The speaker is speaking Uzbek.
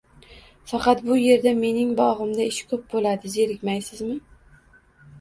Faqat bu yerda mening bog'imda ish ko'p bo'ladi, zerikmaysizmi?